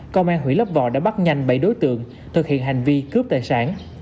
công an huyện lấp vò đã bắt nhanh bảy đối tượng thực hiện hành vi cướp tài sản